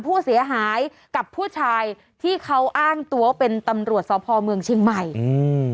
ผู้เสียหายกับผู้ชายที่เขาอ้างตัวเป็นตำรวจสพเมืองเชียงใหม่อืม